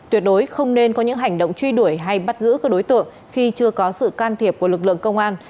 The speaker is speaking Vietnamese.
tuyệt đối không nên có những hành động truy đuổi hay bắt giữ các đối tượng khi chưa có sự can thiệp của lực lượng công an